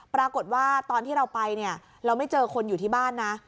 ตอนที่เราไปเนี่ยเราไม่เจอคนอยู่ที่บ้านนะ